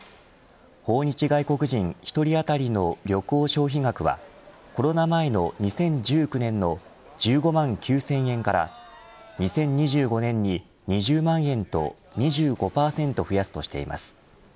訪日外国人１人当たりの旅行消費額はコロナ前の２０１９年の１５万９０００円から２０２５年に２０万円と２５％増やすとしています。